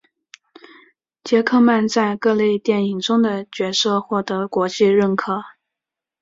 杰克曼在各类电影中的角色获得国际认可。